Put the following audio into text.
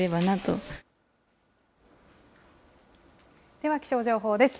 では、気象情報です。